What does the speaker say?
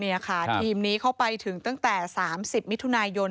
นี่ค่ะทีมนี้เข้าไปถึงตั้งแต่๓๐มิถุนายน